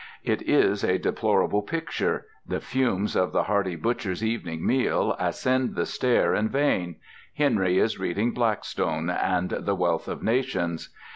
It is a deplorable picture: the fumes of the hearty butcher's evening meal ascend the stair in vain, Henry is reading "Blackstone" and "The Wealth of Nations."